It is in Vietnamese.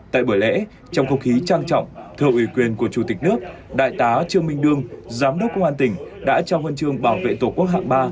tại buổi lễ trong không khí trang trọng thờ ủy quyền của chủ tịch nước đại tá trương minh đương giám đốc công an tỉnh đã trao huân chương bảo vệ tổ quốc hạng ba